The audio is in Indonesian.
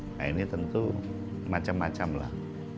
nah ini tentu macam macam lah